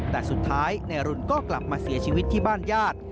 แต่สุดท้ายนายรุนก็กลับมาเสียชีวิตที่บ้านญาติ